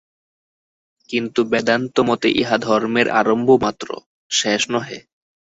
কিন্তু বেদান্তমতে ইহা ধর্মের আরম্ভমাত্র, শেষ নহে।